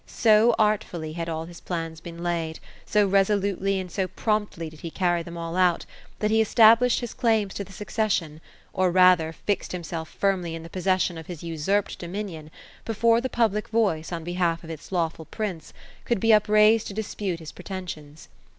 So artfully had all his plans been laid ; so resolutely and so promptly did he carry them all out, that he established his claims to the succession, or rather, fixed himself firmly in the possession of his usurped dominion, before the public voice, on behalf of its lawful prince, could be upraised to dispute his pretensions.